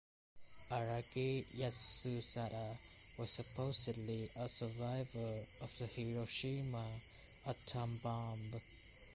Araki Yasusada was supposedly a survivor of the Hiroshima atom bomb.